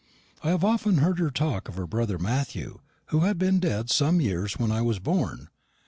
I've often heard her talk of her brother Matthew, who had been dead some years when I was born.